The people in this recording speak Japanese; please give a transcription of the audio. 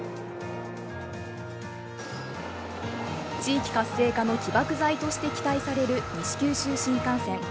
地域活性化の起爆剤として期待される西九州新幹線。